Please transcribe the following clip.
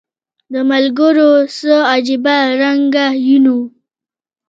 د ملګرو څه عجیبه رنګه یون و